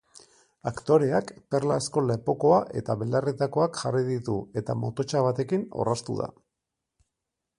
Aktoreak perlazko lepokoa eta belarritakoak jarri ditu eta mototsa batekin orraztu da.